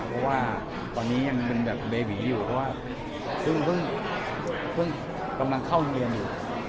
เพราะว่าตอนนี้ยังเป็นแบบเบบีอยู่เพราะว่าเพิ่งกำลังเข้าเรียนอยู่